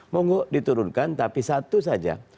monggo diturunkan tapi satu saja